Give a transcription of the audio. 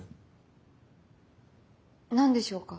何でしょうか？